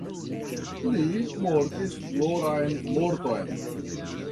Li mortis gloran morton.